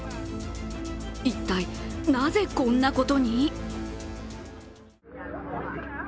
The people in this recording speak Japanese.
一体、なぜこんなことに？